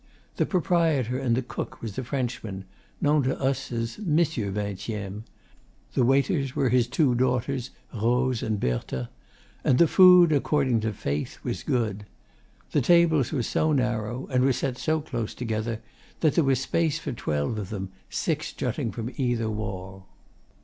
The proprietor and cook was a Frenchman, known to us as Monsieur Vingtieme; the waiters were his two daughters, Rose and Berthe; and the food, according to faith, was good. The tables were so narrow, and were set so close together, that there was space for twelve of them, six jutting from either wall.